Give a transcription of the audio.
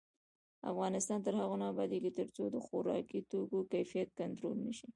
افغانستان تر هغو نه ابادیږي، ترڅو د خوراکي توکو کیفیت کنټرول نشي.